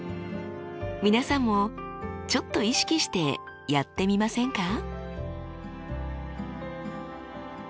皆さんもちょっと意識してやってみませんか？